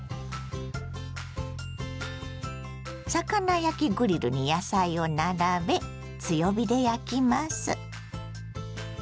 魚焼きグリルに野菜を並べ強火で焼きます。